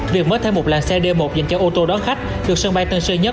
việc mới thêm một làng xe d một dành cho ô tô đón khách được sân bay tân sơn nhất